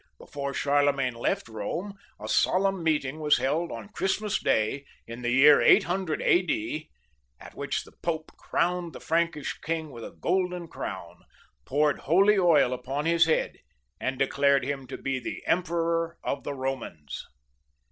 Before Charlemagne left Bome a solemn meeting was held on Christmas Day in the year 800 A.D., at which the Pope crowned the Prankish king with a golden crown, poured holy oil upon his head, and declared him to be the Emperor of the Bomans.